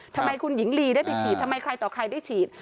ทำไมคุณหญิงลีได้ไปฉีดทำไมใครต่อใครได้ฉีด